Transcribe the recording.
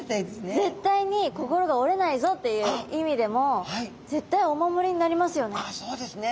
絶対に心が折れないぞっていう意味でも絶対お守りになりますよね。